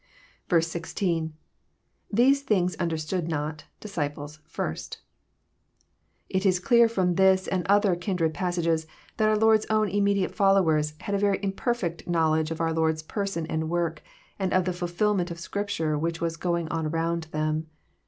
16. —[ These things understood not„.disciples,.^r8t.'i It is clear fVom this and other kindred passages, that our Lord's own Immediate followers had a very imperfect knowledge of our Lord's Person and work, and of the fUMlment of Scripture which was going on around them.